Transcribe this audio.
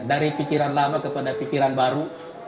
dari pikiran lama kepada pikiran baru